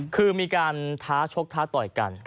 คือมีการท้าชกท้าต่อยกัน